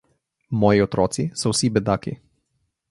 Moji otroci so vsi bedaki.